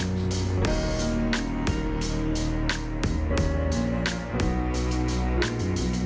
สวัสดีครับ